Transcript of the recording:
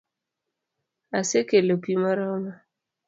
Asekelo pi moromo